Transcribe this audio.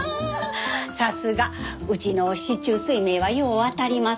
さすがうちの四柱推命はよう当たります。